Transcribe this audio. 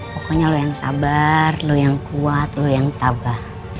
pokoknya anda yang sabar anda yang kuat anda yang tabah